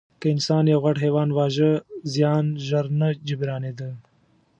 که انسان یو غټ حیوان واژه، زیان ژر نه جبرانېده.